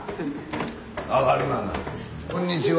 こんにちは。